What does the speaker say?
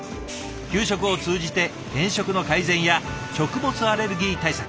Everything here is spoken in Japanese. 給食を通じて偏食の改善や食物アレルギー対策